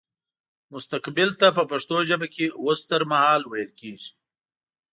مستقبل ته په پښتو ژبه کې وستهرمهال ويل کيږي